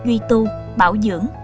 duy tu bảo dưỡng